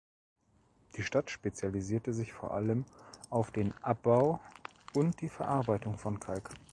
Die Stadt spezialisierte sich vor allem auf den Abbau und die Verarbeitung von Kalk.